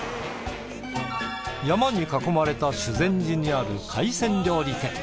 山に囲まれた修善寺にある海鮮料理店。